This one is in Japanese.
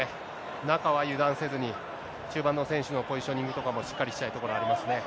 あともね、中は油断せずに、中盤の選手のポジショニングとかも、しっかりしたいところありま